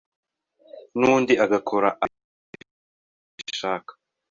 n’undi agakora RnB nkuko abishaka